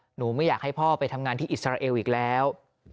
หนูไม่อยากให้พ่อไปทำงานที่อิสราเอลอีกแล้ว